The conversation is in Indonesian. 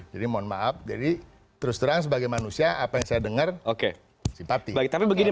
jadi mohon maaf jadi terus terang sebagai manusia apa yang saya dengar oke simpati bagi tapi begini